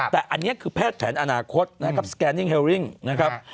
แต่อันนี้คือแพทย์แผนอนาคตนะครับสแกนนิ่งเฮลริ่งนะครับ